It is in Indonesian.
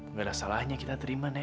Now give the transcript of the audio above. nggak ada salahnya kita terima nenek